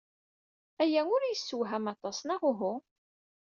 Aya ur yessewham aṭas, neɣ uhu?